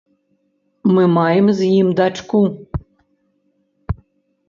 Мы маем з ім дачку.